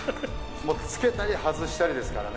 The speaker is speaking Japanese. つけたり外したりですからね。